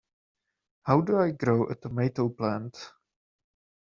How do I grow a tomato plant?